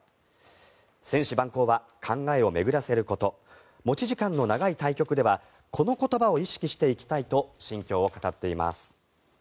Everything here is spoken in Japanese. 千思万考は考えを巡らせること持ち時間の長い対局ではこの言葉を意識していきたいと心境を語っています。